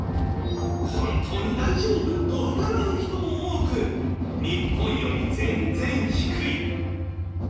本当に大丈夫？と疑う人も多く日本より全然低い。